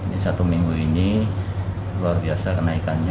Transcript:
di satu minggu ini luar biasa kenaikannya